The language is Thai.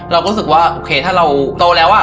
เราก็รู้สึกว่าโอเคถ้าเราโตแล้ว